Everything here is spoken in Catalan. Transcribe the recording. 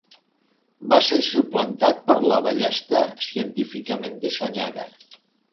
Va ser suplantat per la ballesta científicament dissenyada.